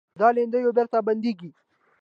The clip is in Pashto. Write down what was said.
دا لیندیو بېرته بندېږي.